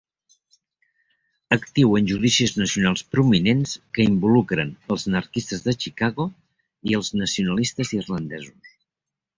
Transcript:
Actiu en judicis nacionals prominents que involucren els anarquistes de Chicago i els nacionalistes irlandesos.